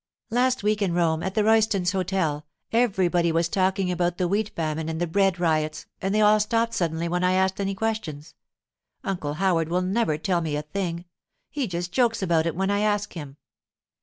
'Last week in Rome, at the Roystons' hotel, everybody was talking about the wheat famine and the bread riots, and they all stopped suddenly when I asked any questions. Uncle Howard will never tell me a thing; he just jokes about it when I ask him.